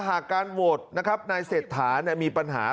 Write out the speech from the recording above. หากการโหวตนะครับนายเศรษฐามีปัญหา